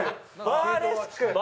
バーレスク。